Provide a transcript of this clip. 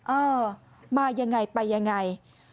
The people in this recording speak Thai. เออมายังไงไปยังไง